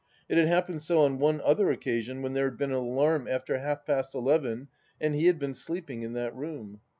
It had happened so on one other occasion when there had been an alarm after half past eleven and he had been sleeping in that room.